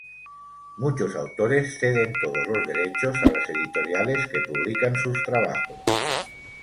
Muchos autores ceden todos los derechos a las editoriales que publican sus trabajos.